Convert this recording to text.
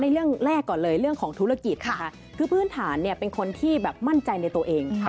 เรื่องแรกก่อนเลยเรื่องของธุรกิจนะคะคือพื้นฐานเนี่ยเป็นคนที่แบบมั่นใจในตัวเอง